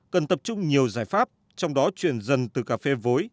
cần tập trung nhiều giải pháp trong đó chuyển dần từ cà phê vối